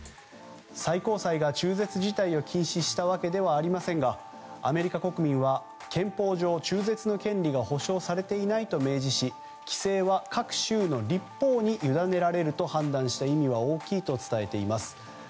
最高裁が中絶自体を禁止したわけではありませんがアメリカ国民は憲法上中絶の権利が保障されていないと明示し規制は各州の立法に委ねられると判断した意味は大きいと伝えています。